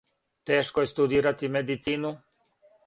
Тешко је студирати медицину.